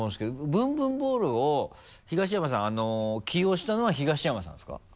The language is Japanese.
ぶんぶんボウルを東山さん起用したのは東山さんですか？